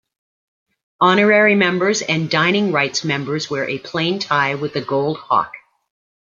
Honorary members and Dining rights members wear a plain tie with a gold Hawk.